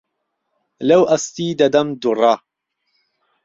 لەو ئەستی دەدەم دوڕە